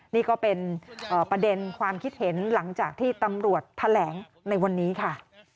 นี่ก็เป็นประเด็นความคิดเห็นหลังจากที่ตำรวจแถลงในวันนี้ค่ะ